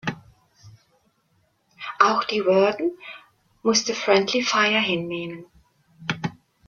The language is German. Auch die "Worden" musste friendly fire hinnehmen.